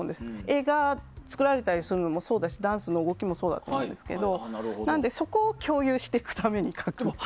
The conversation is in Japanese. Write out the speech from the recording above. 映画作られたりするのもダンスの動きもそうだと思うんですけどなので、そこを共有していくために描くという。